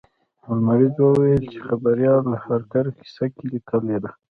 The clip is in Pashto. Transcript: هولمز وویل چې خبریال هارکر کیسه لیکلې ده.